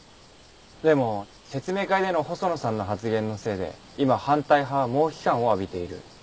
でも説明会での細野さんの発言のせいで今反対派は猛批判を浴びている。